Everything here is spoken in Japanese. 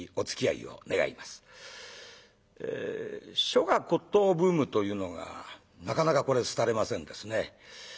書画骨董ブームというのがなかなかこれ廃れませんですね。